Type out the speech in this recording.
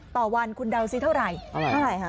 ต่อวันคุณเดาสิเท่าไหร่